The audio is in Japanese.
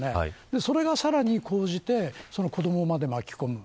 それがさらに高まって子どもまで巻き込む。